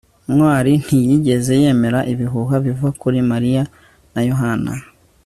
ntwali ntiyigeze yemera ibihuha bivuga kuri mariya na yohana